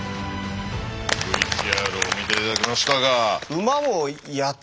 ＶＴＲを見て頂きましたが。